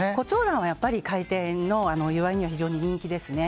胡蝶蘭は開店の祝いには非常に人気ですね。